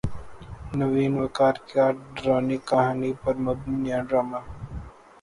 نوین وقار کا ڈرانی کہانی پر مبنی نیا ڈراما